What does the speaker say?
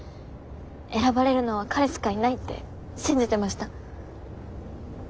選ばれるのは彼しかいないって信じてました。